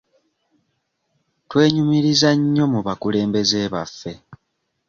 Twenyumiriza nnyo mu bakulembeze baffe.